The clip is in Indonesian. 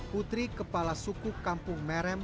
putri kepala suku kampung merem